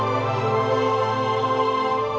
kamu inget semua nonton mbak